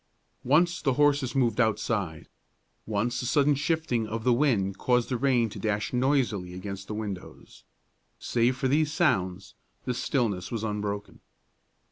Once the horses moved outside; once a sudden shifting of the wind caused the rain to dash noisily against the windows. Save for these sounds the stillness was unbroken.